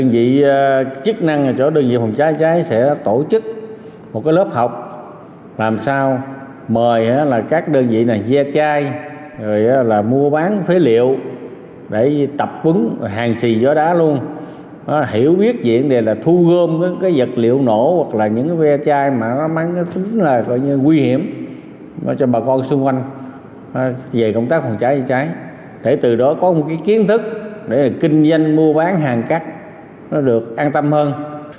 về công tác phòng cháy chữa cháy để từ đó có một kiến thức để kinh doanh mua bán hàng cắt được an tâm hơn